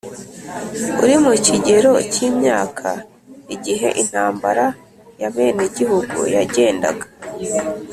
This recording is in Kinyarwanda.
uri mu kigero cy imyaka igihe intambara y abenegihugu yagendaga